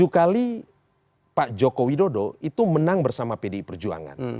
tujuh kali pak joko widodo itu menang bersama pdi perjuangan